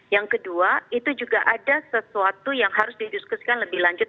yang kedua itu juga ada sesuatu yang harus didiskusikan lebih lanjut